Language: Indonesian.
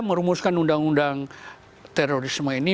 merumuskan undang undang terorisme ini